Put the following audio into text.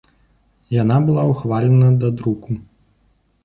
Яна была ўхвалена да друку.